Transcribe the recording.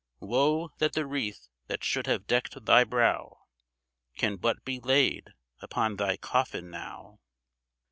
Woe that the wreath that should have decked thy brow, Can but be laid upon thy coffin now.